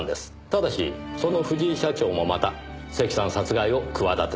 ただしその藤井社長もまた関さん殺害を企てていました。